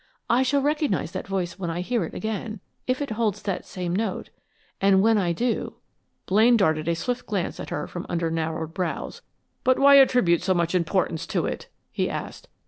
I shall recognize that voice when I hear it again, if it holds that same note; and when I do " Blaine darted a swift glance at her from under narrowed brows. "But why attribute so much importance to it?" he asked.